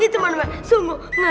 ini cuman sungguh ngeri